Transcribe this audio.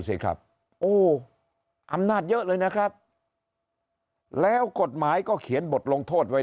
สิครับโอ้อำนาจเยอะเลยนะครับแล้วกฎหมายก็เขียนบทลงโทษไว้